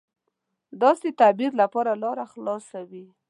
داسې تعبیر لپاره لاره خلاصه وي.